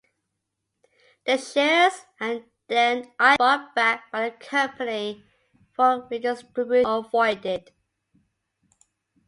The shares are then either bought back by the company for redistribution or voided.